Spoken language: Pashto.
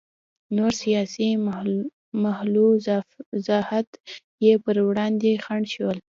نور سیاسي ملحوظات یې پر وړاندې خنډ شول.